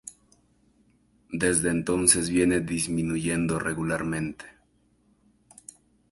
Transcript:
Desde entonces viene disminuyendo regularmente.